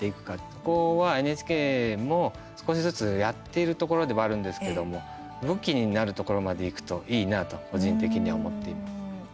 そこはＮＨＫも少しずつやっているところではあるんですけども武器になるところまでいくといいなと個人的には思っています。